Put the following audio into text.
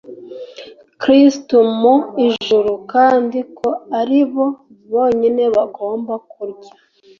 kristo mu ijuru kandi ko ari bo bonyine bagomba kurya